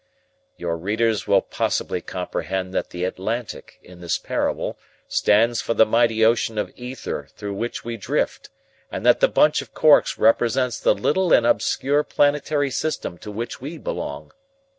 "Your readers will possibly comprehend that the Atlantic, in this parable, stands for the mighty ocean of ether through which we drift and that the bunch of corks represents the little and obscure planetary system to which we belong.